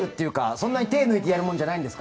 そんなに手を抜いてやるもんじゃないんですか？